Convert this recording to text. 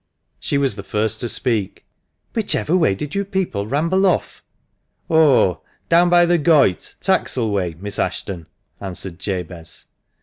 She was the first to speak. "Whichever way did you people ramble off?" " Oh ! down by the Goyt, Taxal way, Miss Ashton," answered Jabez.